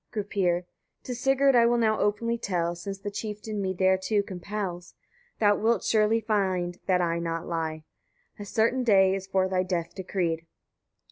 Gripir. 25. To Sigurd I will now openly tell, since the chieftain me thereto compels: thou wilt surely find that I lie not. A certain day is for thy death decreed.